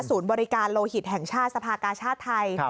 บริการโลหิตแห่งชาติสภากาชาติไทย